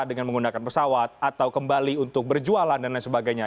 dengan menggunakan pesawat atau kembali untuk berjualan dan lain sebagainya